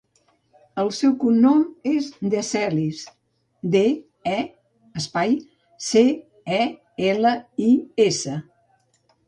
El seu cognom és De Celis: de, e, espai, ce, e, ela, i, essa.